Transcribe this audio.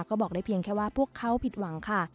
ก็บอกได้เพียงแค่ว่าพวกเขาผิดหวังค่ะ